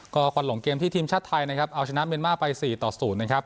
ก็ควันหลงเกมที่ทีมชาติไทยนะครับเอาชนะเมียนมาร์ไป๔ต่อ๐นะครับ